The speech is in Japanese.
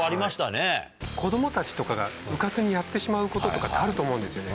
子供たちとかがうかつにやってしまうこととかってあると思うんですよね